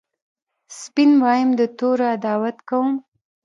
سپین وایم د تورو عداوت کوم